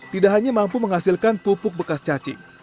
tidak hanya mampu menghasilkan pupuk bekas cacing